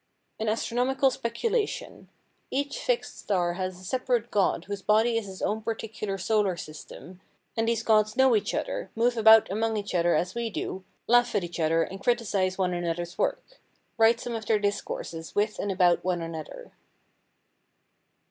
An Astronomical Speculation: Each fixed star has a separate god whose body is his own particular solar system, and these gods know each other, move about among each other as we do, laugh at each other and criticise one another's work. Write some of their discourses with and about one another.